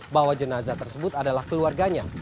bahwa jenazah tersebut adalah keluarganya